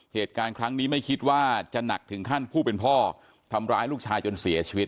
เหตุการณ์ครั้งนี้ไม่คิดว่าจะหนักถึงขั้นผู้เป็นพ่อทำร้ายลูกชายจนเสียชีวิต